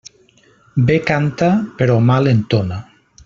Bé canta, però mal entona.